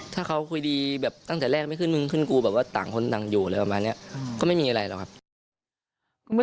ถ้าเขาคุยดีตั้งแต่แรกไม่ขึ้นคุณขึ้นกู